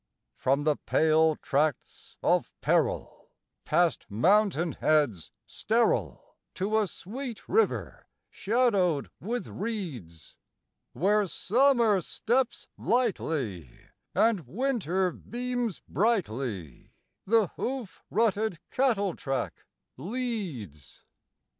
From the pale tracts of peril, past mountain heads sterile, To a sweet river shadowed with reeds, Where Summer steps lightly, and Winter beams brightly, The hoof rutted cattle track leads.